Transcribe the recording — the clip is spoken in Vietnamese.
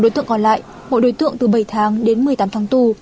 đối tượng còn lại mỗi đối tượng từ bảy tháng đến một mươi tám tháng tù